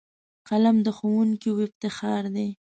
قلم د ښوونکیو افتخار دی